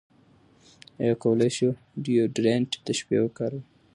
ایا کولی شو ډیوډرنټ د شپې وکاروو؟